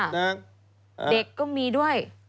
เด็กก็มีด้วย